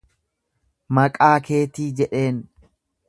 Maqaa keetii jedheen